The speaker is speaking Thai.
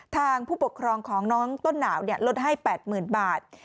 ผู้ปกครองของน้องต้นหนาวลดให้๘๐๐๐บาท